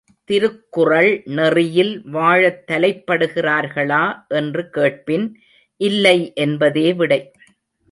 திருக்குறள் நெறியில் வாழத் தலைப்படுகிறார்களா என்று கேட்பின் இல்லை என்பதே விடை!